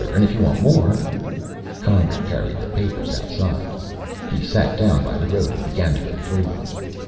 And if you want more " Conger carried the papers outside. He sat down by the road and began to go through them.